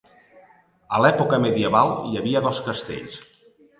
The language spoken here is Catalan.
A l'època medieval hi havia dos castells.